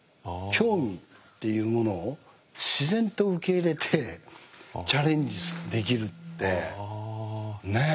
興味っていうものを自然と受け入れてチャレンジできるってねえ？